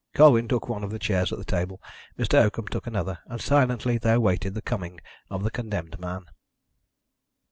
Colwyn took one of the chairs at the table, Mr. Oakham took another, and silently they awaited the coming of the condemned man.